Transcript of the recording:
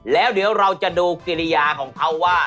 แล้วเดี๋ยวเราจะดูกิริยาของเขาว่า